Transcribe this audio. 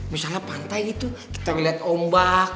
misalnya pantai gitu kita ngeliat ombak